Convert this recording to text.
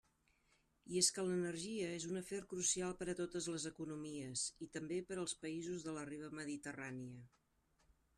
I és que l'energia és un afer crucial per a totes les economies i també per als països de la riba mediterrània.